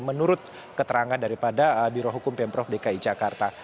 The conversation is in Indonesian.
menurut keterangan daripada birohukum pemprov dki jakarta